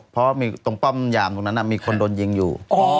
เพราะมีตรงป้อมยามตรงนั้นมีคนโดนยิงอยู่